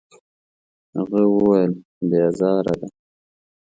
هغه وویل: «بې ازاره ده.»